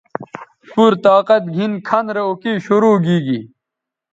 پورطاقت گھن کھن رے اوکئ شرو گیگی